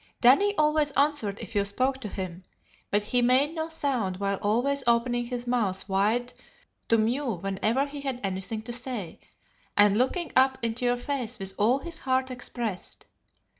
Danny always answered if you spoke to him, but he made no sound while always opening his mouth wide to mew whenever he had anything to say, and looking up into your face with all his heart expressed.